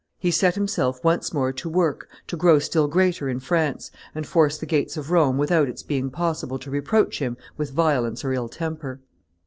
He set himself once more to work to grow still greater in France, and force the gates of Rome without its being possible to reproach him with violence or ill temper.